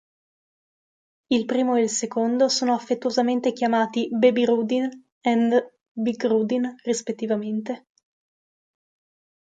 Il primo e il secondo sono affettuosamente chiamati "Baby Rudin" and "Big Rudin," rispettivamente.